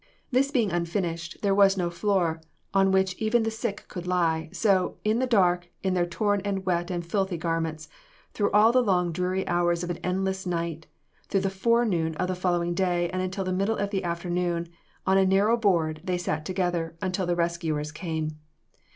This being unfinished, there was no floor on which even the sick could lie; so, in the dark, in their torn and wet and filthy garments, through all the long, dreary hours of an endless night, through the forenoon of the following day, and until the middle of the afternoon, on a narrow board, they sat together until the rescuers came.